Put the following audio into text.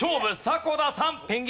迫田さん。